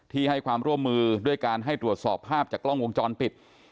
ให้ความร่วมมือด้วยการให้ตรวจสอบภาพจากกล้องวงจรปิด